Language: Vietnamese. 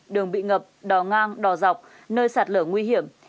đường bị ngập đò ngang đò dọc nơi sạt lở nguy hiểm